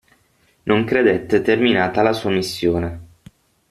Non credette terminata la sua missione.